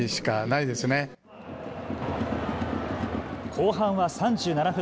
後半は３７分。